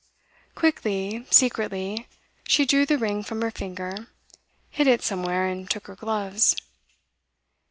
Quickly, secretly, she drew the ring from her finger, hid it somewhere, and took her gloves.